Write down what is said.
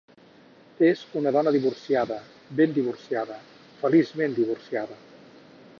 És una dona divorciada, ben divorciada, feliçment divorciada.